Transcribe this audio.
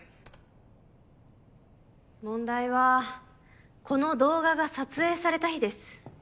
問題はこの動画が撮影された日です。